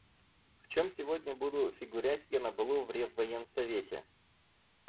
В чем сегодня буду фигурять я на балу в Реввоенсовете?